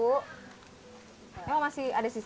emang masih ada sisa